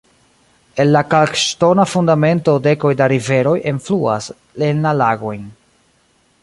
El la kalkŝtona fundamento dekoj da riveroj enfluas en la lagojn.